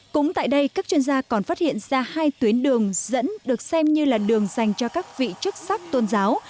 cũng tại đây các chuyên gia còn phát hiện ra hai tuyến đường dẫn được xem như là đường dành cho các vị chức sắc tôn giáo